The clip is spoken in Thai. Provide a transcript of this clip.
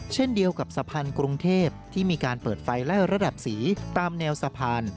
เช่นเดียวกับสะพานกรุงเทพที่มีการเปิดไฟไล่ระดับสีตามแนวสะพาน